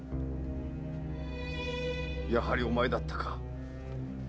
やはりお前だったか。